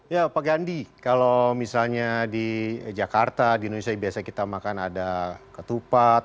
ya pak gandhi kalau misalnya di jakarta di indonesia biasa kita makan ada ketupat